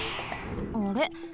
あれ？